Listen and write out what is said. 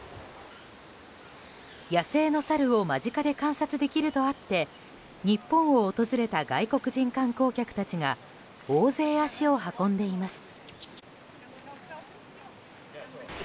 野生のサルを間近で観察できるとあって日本を訪れた外国人観光客たちが大勢、足を運んでいます。